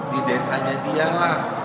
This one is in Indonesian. di desanya dialah